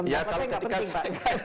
ya kalau ketika saya